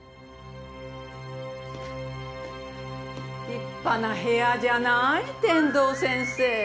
立派な部屋じゃない天堂先生。